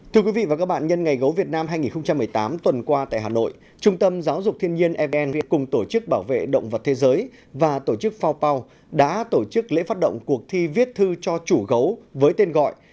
thưa quý vị và các bạn nhân ngày gấu việt nam hai nghìn một mươi tám tuần qua tại hà nội trung tâm giáo dục thiên nhiên evn cùng tổ chức bảo vệ động vật thế giới và tổ chức fao pau đã tổ chức lễ phát động cuộc thi viết thư cho chủ gấu với tên gọi